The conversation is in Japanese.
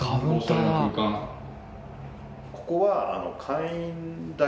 ここは。